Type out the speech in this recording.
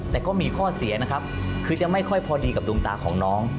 แต่ก็มีข้อเสียนะครับคือจะไม่ค่อยพอดีกับดวงตาของน้อง